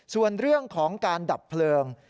ส่วนเรื่องของการดับเพลิง